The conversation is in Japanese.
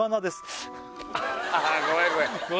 あごめんごめん